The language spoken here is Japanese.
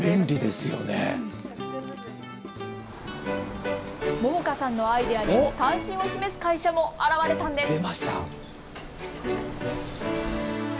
杏果さんのアイデアに関心を示す会社も現れたんです。